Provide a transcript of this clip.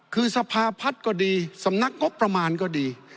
คือสภาพัฒน์ก็ดีสำนักงบประมาณก็ดี